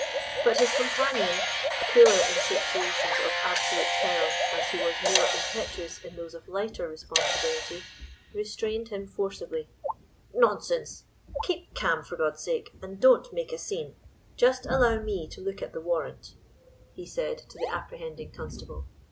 But his companion, cooler in situations of absolute peril as he was more impetuous in those of lighter responsibility, restrained him forcibly. "Nonsense! keep calm, for God's sake, and don't make a scene. Just allow me to look at the warrant," he said to the apprehending constable.